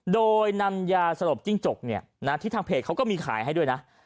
โดยนำยาสลบจิ้งจกเนี่ยนะที่ทางเพจเขาก็มีขายให้ด้วยนะ